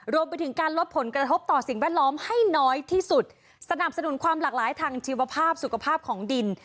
รวมไปถึงการลดผลกระทบต่อสิ่งแวดล้อมให้น้อยที่สุดสนับสนุนความหลากหลายทางชีวภาพสุขภาพของดิน